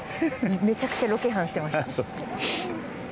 めちゃくちゃロケハンしてました。